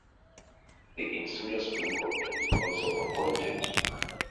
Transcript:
The Insular Supreme Court was also appointed.